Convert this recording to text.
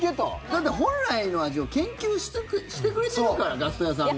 だって本来の味を研究してくれてるからガスト屋さんが。